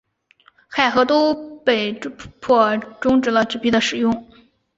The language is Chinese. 海合都被迫中止了纸币的使用。